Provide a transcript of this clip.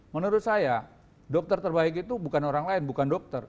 menurut saya dokter terbaik itu bukan orang lain bukan dokter